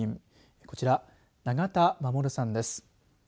こちら永田守さんです。